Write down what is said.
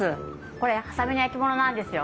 これ波佐見の焼き物なんですよ。